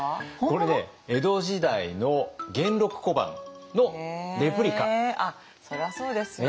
これね江戸時代のあっそりゃそうですよね。